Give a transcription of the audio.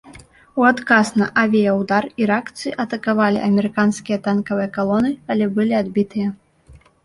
У адказ на авіяўдар іракцы атакавалі амерыканскія танкавыя калоны, але былі адбітыя.